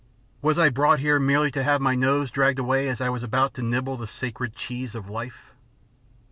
Was I brought here merely to have my nose dragged away as I was about to nibble the sacred cheese of life?"